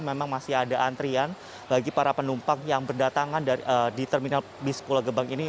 memang masih ada antrian bagi para penumpang yang berdatangan di terminal bis pulau gebang ini